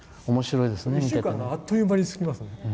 １週間があっという間に過ぎますね。